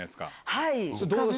はい。